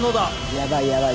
やばいやばい。